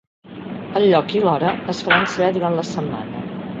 El lloc i l’hora es faran saber durant la setmana.